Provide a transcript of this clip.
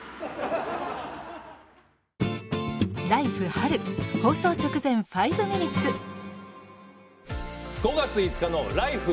春」放送直前「５ミニッツ」５月５日の「ＬＩＦＥ！